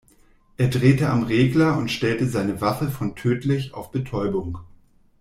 Er drehte am Regler und stellte seine Waffe von tödlich auf Betäubung.